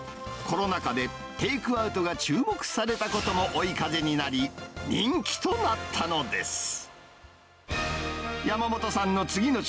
コロナ禍でテイクアウトが注目されたことも追い風になり、人気となったのです。